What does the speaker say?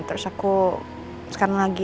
terus aku sekarang lagi